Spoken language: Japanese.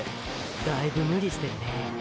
だいぶムリしてるね。